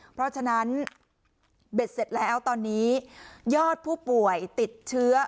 เพราะฉะนั้นเบ็ดเสร็จแล้วตอนนี้ยอดผู้ป่วยติดเชื้อ